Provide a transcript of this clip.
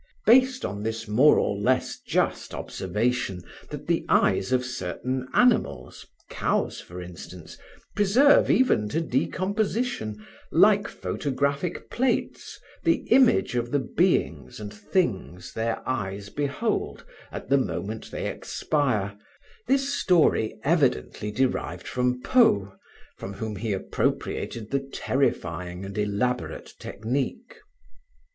Based on this more or less just observation that the eyes of certain animals, cows for instance, preserve even to decomposition, like photographic plates, the image of the beings and things their eyes behold at the moment they expire, this story evidently derived from Poe, from whom he appropriated the terrifying and elaborate technique.